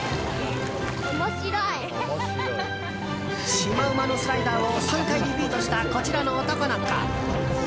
シマウマのスライダーを３回リピートしたこちらの男の子。